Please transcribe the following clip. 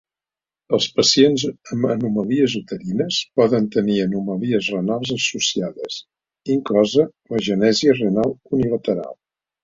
Els pacients amb anomalies uterines poden tenir anomalies renals associades, inclosa l'agenèsia renal unilateral.